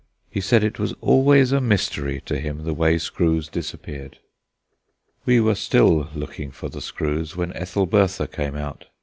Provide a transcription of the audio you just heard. He said it was always a mystery to him the way screws disappeared. We were still looking for the screws when Ethelbertha came out.